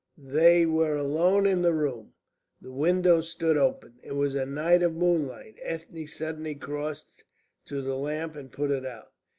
They were alone in the room; the windows stood open; it was a night of moonlight. Ethne suddenly crossed to the lamp and put it out.